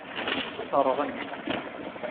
Seṛɣen.